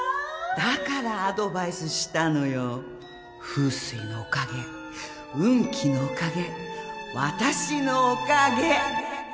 だからアドバイスしたのよ風水のおかげ運気のおかげ私のおかげ。